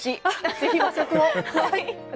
ぜひ、和食を！